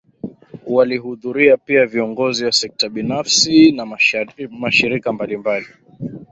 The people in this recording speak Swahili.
Walihudhuria pia viongozi wa sekta binafisi na Mashirika mbalimbali